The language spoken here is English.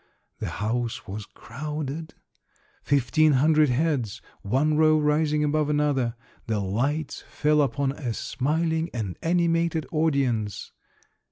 The' house was crowded, — fifteen hundred heads, one row rising above another ; the lights fell upon a smiling and animated audience.